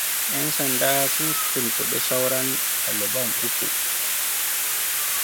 ‘Yan sanda sun tuntuɓi sauran daliban uku.